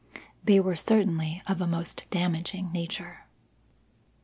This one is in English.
They were certainly of a most damaging nature.